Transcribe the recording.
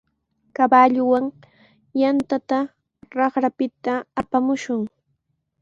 Kawalluwan yantata raqrapita apamushun.